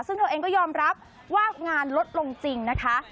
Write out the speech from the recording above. ซึ่งเธอเองก็ยอมรับว่างานลดลงจริงนะคะ